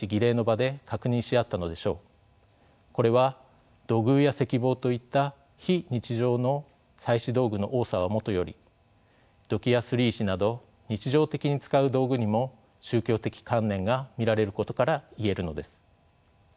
これは土偶や石棒といった非日常の祭祀道具の多さはもとより土器やすり石など日常的に使う道具にも宗教的観念が見られることから言えるのです。